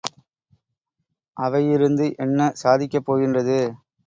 அவையிருந்து என்ன சாதிக்கப்போகின்றது?